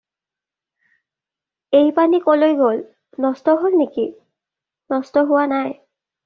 এই পানী কলৈ গ'ল? নষ্ট হ'ল নেকি? নষ্ট হোৱা নাই